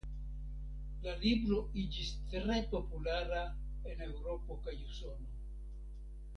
La libro iĝis tre populara en Eŭropo kaj Usono.